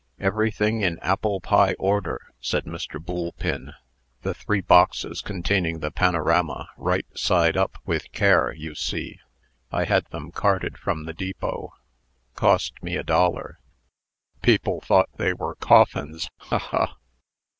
"Everything in apple pie order," said Mr. Boolpin. "The three boxes containing the panorama right side up with care, you see. I had them carted from the depot. Cost me a dollar. People thought they were coffins. Ha! ha!